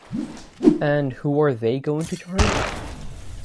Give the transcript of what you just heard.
And who are they going to charge?